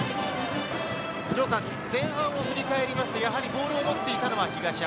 前半を振り返りますとボールを持っていたのは東山。